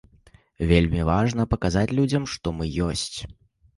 Вельмі важна паказаць людзям, што мы ёсць.